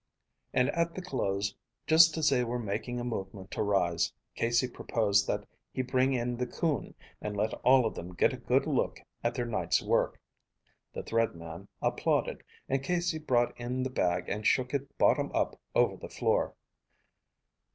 And at the close, just as they were making a movement to rise, Casey proposed that he bring in the coon, and let all of them get a good look at their night's work. The Thread Man applauded, and Casey brought in the bag and shook it bottom up over the floor.